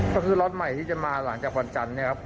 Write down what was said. ก็คือรถใหม่ที่จะมาหลังจากวันจันทร์เนี่ยครับ